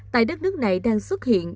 tại đất nước này đang xuất hiện